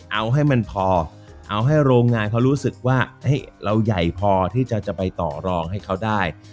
เอาให้มันพอเอาให้โรงงานเขารู้สึกว่าเราใหญ่พอที่จะไปต่อรองให้เขาได้